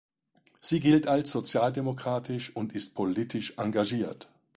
Sie gilt als sozialdemokratisch und ist politisch engagiert.